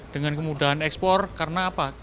dengan kemudahan ekspor karena apa